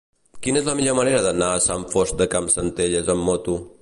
Quina és la millor manera d'anar a Sant Fost de Campsentelles amb moto?